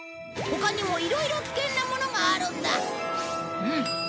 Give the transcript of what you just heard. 他にもいろいろ危険なものがあるんだ。